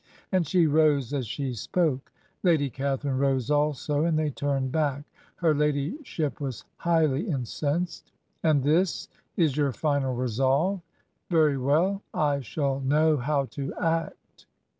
And she rose as she spoke. Lady Catharine rose also and they turned back. Her lady ship was highly incensed. ' And this ... is your final resolve! Very well, I shall know how to act.